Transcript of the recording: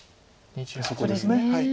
そこです。